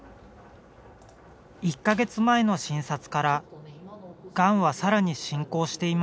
１カ月前の診察からがんはさらに進行していました。